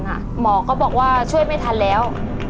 หมอก็บอกว่าช่วยไม่ทันแล้ว